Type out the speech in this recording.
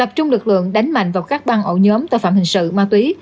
tập trung lực lượng đánh mạnh vào các ban ổ nhóm tài phạm hình sự ma túy